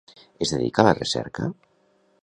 Es dedica a la recerca?